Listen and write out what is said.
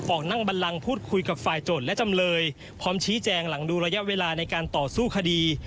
ออกนั่งบันลังพูดคุยกับฝ่ายโจทย์และจำเลยพร้อมชี้แจงหลังดูระยะเวลาในการต่อสู้คดี